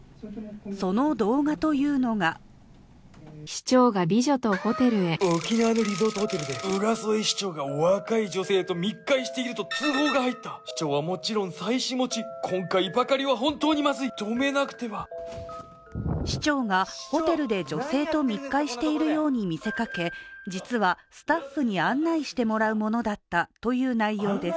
その動画というのが市長がホテルで女性と密会しているように見せかけ実はスタッフに案内してもらうものだったという内容です。